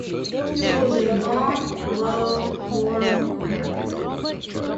It was a long, low, warm room.